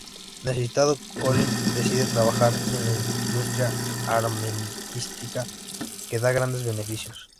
Necesitado, Colin decide trabajar en la industria armamentística, que da grandes beneficios.